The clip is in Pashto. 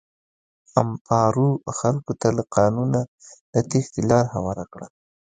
امپارو خلکو ته له قانونه د تېښتې لاره هواره کړه.